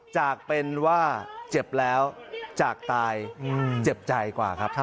จากเป็นว่าเจ็บแล้วจากตายเจ็บใจกว่าครับ